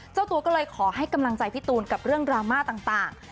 เจ้าตัวก็เลยขอให้กำลังใจพี่ตูนกับเรื่องดราม่าต่าง